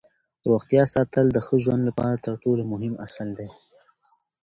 روغتیا ساتل د ښه ژوند لپاره تر ټولو مهم اصل دی